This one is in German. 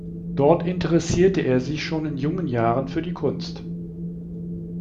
Dort interessierte er sich schon in jungen Jahren für die Kunst.